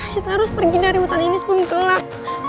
kita harus pergi dari hutan ini sebelum gelap